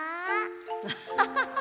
アハハハ！